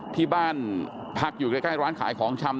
ที่บ้านพักอยู่ใกล้ร้านขายของชำ